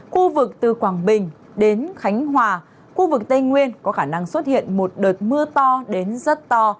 khu vực từ quảng bình đến khánh hòa khu vực tây nguyên có khả năng xuất hiện một đợt mưa to đến rất to